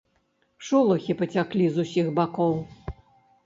Шолахі пацяклі з усіх бакоў.